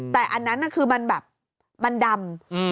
แต่อันนั้นคือมันแบบมันดำ